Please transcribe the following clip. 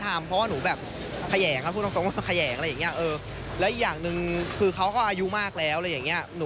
ถ้าเกิดว่าอยากหาความสุขด้วยกัน